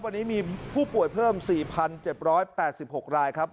วันนี้มีผู้ป่วยเพิ่ม๔๗๘๖รายครับ